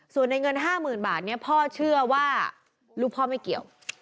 ส่วนในเงิน๕๐๐๐บาทนี้พ่อเชื่อว่าลูกพ่อไม่เกี่ยว